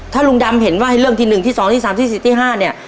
ถ้าลุงดำเห็นว่าให้เรื่องที่๑ที่๒ที่๓ที่๔ที่๕เนี่ย